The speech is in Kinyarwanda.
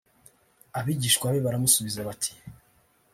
Abigishwa be baramusubiza bati